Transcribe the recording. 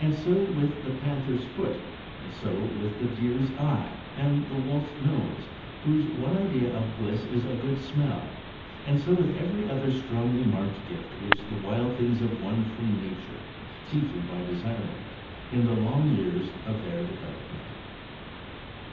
And so with the panther's foot; and so with the deer's eye, and the wolf's nose, whose one idea of bliss is a good smell; and so with every other strongly marked gift which the wild things have won from nature, chiefly by desiring it, in the long years of their development.